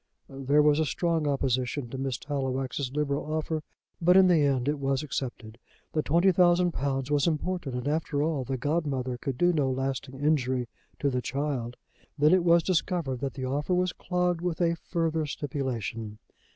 There was a strong opposition to Miss Tallowax's liberal offer, but in the end it was accepted. The twenty thousand pounds was important, and, after all, the godmother could do no lasting injury to the child. Then it was discovered that the offer was clogged with a further stipulation.